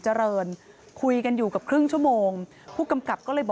เดี๋ยวตำรวจจะไปตรวจสอบให้อีกที